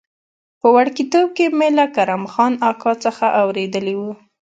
په وړکتوب کې مې له کرم خان اکا څخه اورېدلي و.